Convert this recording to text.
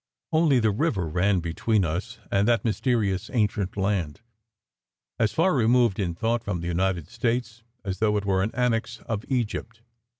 Only the river ran between us and that mysterious, ancient land, as far removed in thought from the United States as though it were an annex of Egypt.